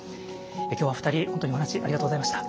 今日はお二人本当にお話ありがとうございました。